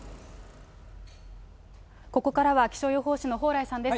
ここからは気象予報士の蓬莱さんです。